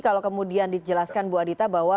kalau kemudian dijelaskan bu adita bahwa